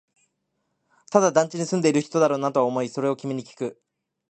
ただ、団地に住んでいる人だろうなとは思い、それを君にきく